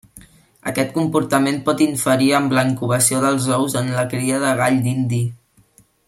Aquest comportament pot interferir amb la incubació dels ous en la cria de gall d'indi.